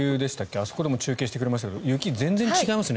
あそこでも中継してくれましたが雪、全然違いますね。